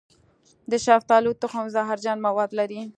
د شفتالو تخم زهرجن مواد لري.